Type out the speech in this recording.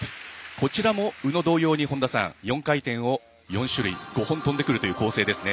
こちらも宇野同様に４回転を４種類、５本跳んでくるという構成ですね。